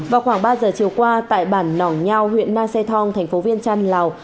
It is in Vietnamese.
vào khoảng ba giờ chiều qua tại bản nỏng nhao huyện na xe thong thành phố viên trăn lào